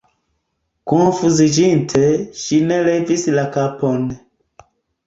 Konfuziĝinte, ŝi ne levis la kapon.